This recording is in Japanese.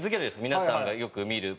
皆さんがよく見る。